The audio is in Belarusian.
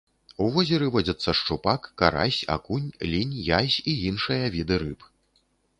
У возеры водзяцца шчупак, карась, акунь, лінь, язь і іншыя віды рыб.